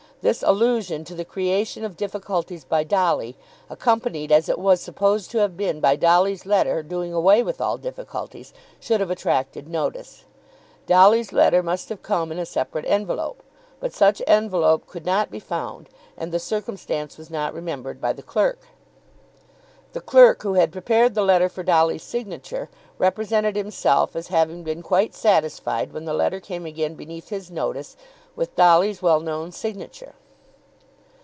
This allusion to the creation of difficulties by Dolly, accompanied, as it was supposed to have been, by Dolly's letter doing away with all difficulties, should have attracted notice. Dolly's letter must have come in a separate envelope; but such envelope could not be found, and the circumstance was not remembered by the clerk. The clerk who had prepared the letter for Dolly's signature represented himself as having been quite satisfied when the letter came again beneath his notice with Dolly's well known signature.